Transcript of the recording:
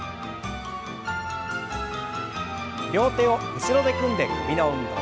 両手を後ろで組んで首の運動。